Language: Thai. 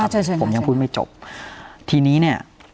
เชียวไปเชียวผมยังพูดไม่จบทีนี้เนี้ย